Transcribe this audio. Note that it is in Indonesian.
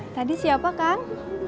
tadi siapa kang